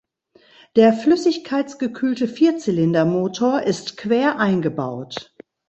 Der flüssigkeitsgekühlte Vierzylindermotor ist quer eingebaut.